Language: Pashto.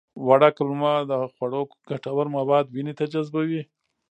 وړه کولمه د خوړو ګټور مواد وینې ته جذبوي